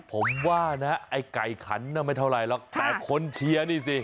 ผมว่านะไอ้ไก่ขันน่ะไม่เท่าไรหรอกแต่คนเชียร์นี่สิ